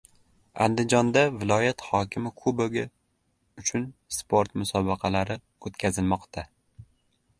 Andijonda “Viloyat hokimi kubogi” uchun sport musobaqalari o‘tkazilmoqda